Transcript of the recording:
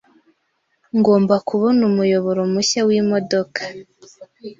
Ngomba kubona umuyoboro mushya wimodoka